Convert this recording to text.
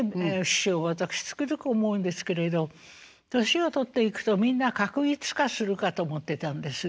師匠私つくづく思うんですけれど年を取っていくとみんな画一化するかと思ってたんです